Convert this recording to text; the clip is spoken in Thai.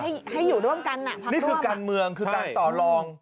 นี่คือการเมืองคือการต่อรอง